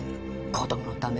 子供のため？